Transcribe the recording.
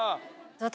私。